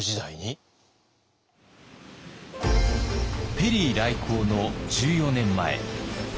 ペリー来航の１４年前。